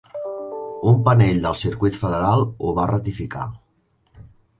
Un panell del Circuit Federal ho va ratificar.